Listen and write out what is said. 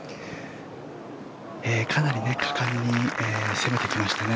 かなり果敢に攻めてきましたね。